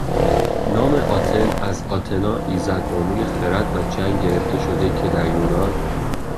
نام آتن از آتنا ایزدبانوی خرد و جنگ گرفته شده که در یونان